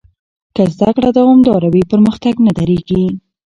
که زده کړه دوامداره وي، پرمختګ نه درېږي.